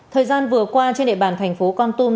thời gian vừa qua trên địa bàn thành phố con tum